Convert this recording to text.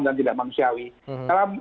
dan tidak manusiawi dalam